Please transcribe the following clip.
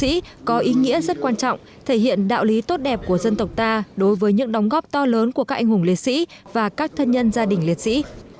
hài cốt các anh hùng liệt sĩ có ý nghĩa rất quan trọng thể hiện đạo lý tốt đẹp của dân tộc ta đối với những đóng góp to lớn của các anh hùng liệt sĩ và các thân nhân gia đình liệt sĩ